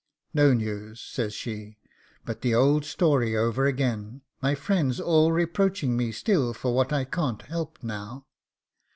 'No news,' says she, 'but the old story over again; my friends all reproaching me still for what I can't help now.